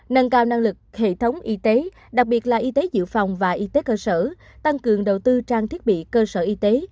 nâng cao năng lực hệ thống y tế đặc biệt là y tế dự phòng và y tế cơ sở tăng cường đầu tư trang thiết bị cơ sở y tế